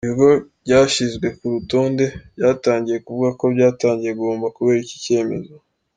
Ibigo byashyizwe ku rutonde byatangiye kuvuga ko byatangiye guhomba kubera iki cyemezo.